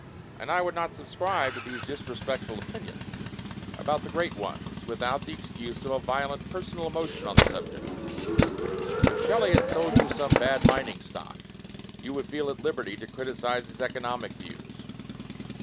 And I would not subscribe to these dis respectful opinions about the Great Ones, without the excuse of a violent personal emotion on the subject. If Shelley had sold you some bad mining stock, you would feel at liberty to criticize his economic views.